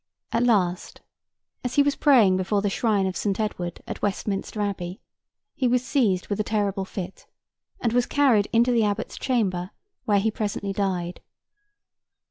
At last, as he was praying before the shrine of St. Edward at Westminster Abbey, he was seized with a terrible fit, and was carried into the Abbot's chamber, where he presently died.